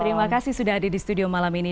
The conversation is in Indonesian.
terima kasih sudah hadir di studio malam ini